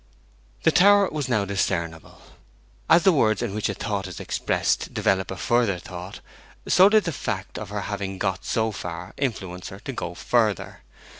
The tower was now discernible. As the words in which a thought is expressed develop a further thought, so did the fact of her having got so far influence her to go further.